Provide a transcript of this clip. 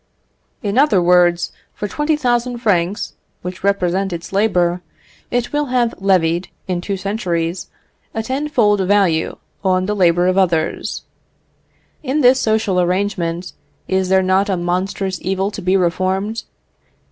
In other words, for 20,000 francs, which represent its labour, it will have levied, in two centuries, a tenfold value on the labour of others. In this social arrangement, is there not a monstrous evil to be reformed?